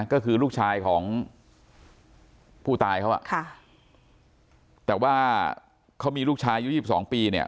ก็คือลูกชายของผู้ตายเขาอ่ะค่ะแต่ว่าเขามีลูกชายอายุ๒๒ปีเนี่ย